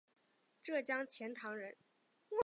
浙江钱塘人。